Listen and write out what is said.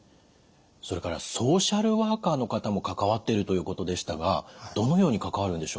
それからソーシャルワーカーの方も関わってるということでしたがどのように関わるんでしょう？